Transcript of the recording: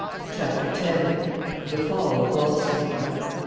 CHAPTER X. THE FALL OF GLOUCESTER.